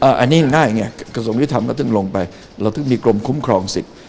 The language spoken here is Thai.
อันนี้ง่ายเงี้ยกระทมธุรกิจทำก็ต้องลงไปเราจะต้องมีกรมคุ้มครองสิทธิ์